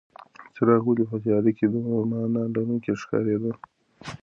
څراغ ولې په تیاره کې دومره مانا لرونکې ښکارېده؟